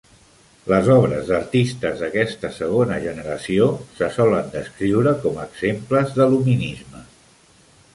Les obres d'artistes d'aquesta segona generació se solen descriure com exemples de Luminisme.